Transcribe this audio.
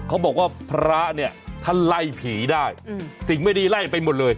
เขาบอกว่าพระเนี่ยท่านไล่ผีได้สิ่งไม่ดีไล่ไปหมดเลย